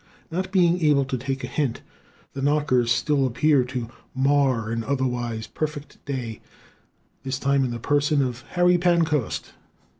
Not being able to take a hint, the knockers still appear to mar an otherwise perfect day this time in the person of Harry Pancoast.